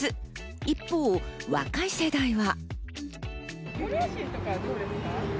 一方、若い世代は。